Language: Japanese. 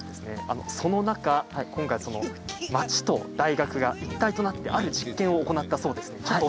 その中、今回町と大学が一体となってある実験を行ったそうですね。